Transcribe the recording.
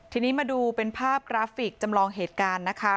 ทีนี้มาดูเป็นภาพกราฟิกจำลองเหตุการณ์นะคะ